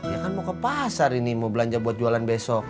ya kan mau ke pasar ini mau belanja buat jualan besok